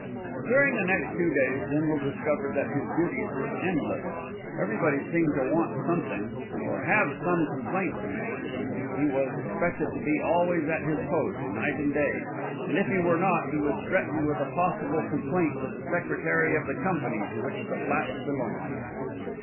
During the next two days Bindle discovered that his duties were endless. Everybody seemed to want something, or have some complaint to make. He was expected to be always at his post, night and day, and if he were not, he was threatened with a possible complaint to the Secretary of the Company to which the flats belonged.